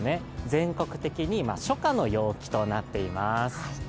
全国的に今、初夏の陽気となっています。